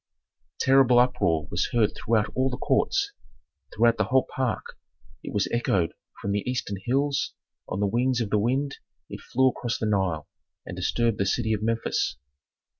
Terrible uproar was heard throughout all the courts, throughout the whole park. It was echoed from the eastern hills, on the wings of the wind it flew across the Nile, and disturbed the city of Memphis.